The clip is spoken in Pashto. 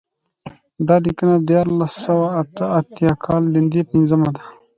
دا لیکنه د دیارلس سوه اته اتیا کال د لیندۍ پنځمه ده.